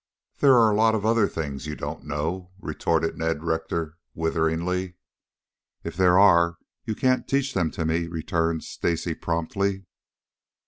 "There are a lot of other things you don't know," retorted Ned Rector witheringly. "If there are you can't teach them to me," returned Stacy promptly.